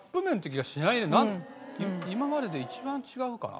今までで一番違うかな。